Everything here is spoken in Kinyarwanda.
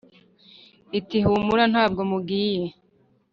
iti "humura ntabwo mugiye !